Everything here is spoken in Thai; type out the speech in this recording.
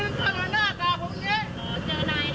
มึงจะทำอะไรกูเหรอเมื่อกี้